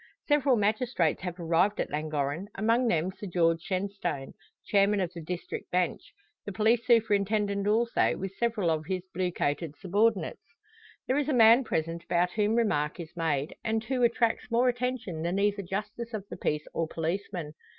Several magistrates have arrived at Llangorren, among them Sir George Shenstone, chairman of the district bench; the police superintendent also, with several of his blue coated subordinates. There is a man present about whom remark is made, and who attracts more attention than either justice of the peace or policeman.